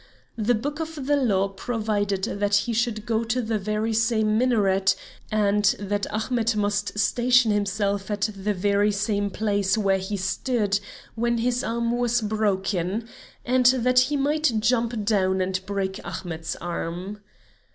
The book of the law provided that he should go to the very same minaret, and that Ahmet must station himself at the very same place where he had stood when his arm was broken; and that he might jump down and break Ahmet's arm.